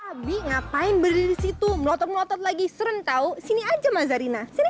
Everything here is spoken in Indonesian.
abi ngapain berdiri disitu melotot melotot lagi seren tau sini aja ma zarina sini